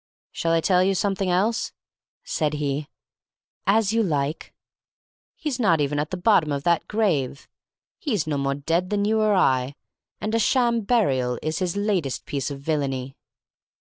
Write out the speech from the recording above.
"Shall I tell you something else?" said he. "As you like." "He's not even at the bottom of that grave! He's no more dead than you or I, and a sham burial is his latest piece of villainy!"